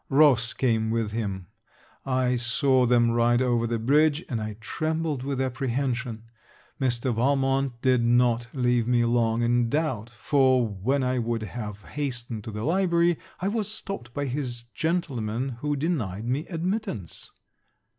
Ross came with him. I saw them ride over the bridge, and I trembled with apprehension. Mr. Valmont did not leave me long in doubt; for, when I would have hastened to the library, I was stopped by his gentleman who denied me admittance.